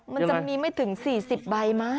มันจะมีไม่ถึง๔๐ใบมั้